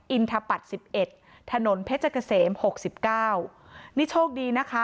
อินทปัตย์สิบเอ็ดถนนเพชรเกษมหกสิบเก้านี่โชคดีนะคะ